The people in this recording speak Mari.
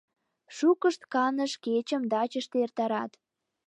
Шукышт каныш кечым дачыште эртарат.